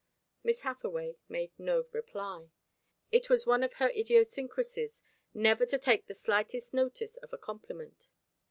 Miss Hathaway made no reply. It was one of her idiosyncrasies never to take the slightest notice of a compliment.